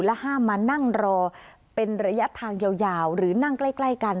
ห้ามมานั่งรอเป็นระยะทางยาวหรือนั่งใกล้กัน